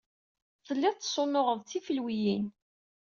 Telliḍ tessunuɣeḍ-d tifelwiyin.